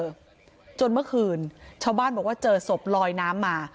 แต่ก็เจอสพอาทิตย์จนเมื่อคืนชาวบ้านบอกว่าเจอสพลอยน้ำมา